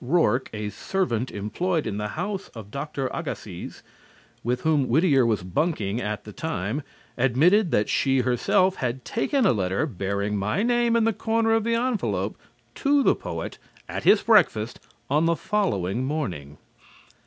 Rourke, a servant employed in the house of Dr. Agassiz, with whom Whittier was bunking at the time, admitted that she herself had taken a letter, bearing my name in the corner of the envelope, to the poet at his breakfast on the following morning.